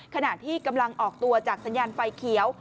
ขณะที่กำลังออกตัวจากสัญญาณไฟเขียว